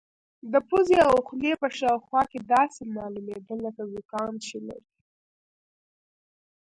د پوزې او خولې په شاوخوا کې داسې معلومېده لکه زکام چې لري.